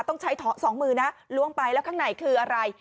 ต้องใช้สองมือนะล้วงไปแล้วข้างในคืออะไร